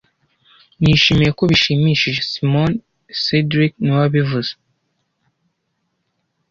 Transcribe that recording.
Nishimiye ko bishimishije Simoni cedric niwe wabivuze